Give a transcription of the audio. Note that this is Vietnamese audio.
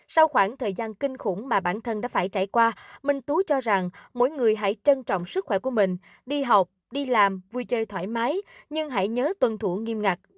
sau khoảng thời gian kinh khủng mà bản thân đã phải trải qua minh tú cho rằng mỗi người hãy trân trọng sức khỏe của mình đi học đi làm vui chơi thoải mái nhưng hãy nhớ tuân thủ nghiêm ngặt